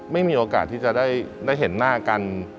ไม่มีโอกาสที่จะได้เห็นหน้ากัน